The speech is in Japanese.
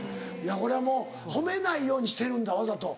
これはもう褒めないようにしてるんだわざと。